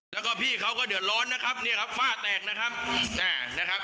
แล้วก็พี่เขาก็เดือดร้อนนะครับเนี่ยครับฝ้าแตกนะครับอ่านะครับ